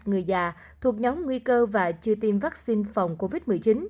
người già thuộc nhóm nguy cơ và chưa tiêm vaccine phòng covid một mươi chín